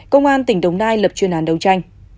công an tỉnh đồng nai lập chuyên án đấu tranh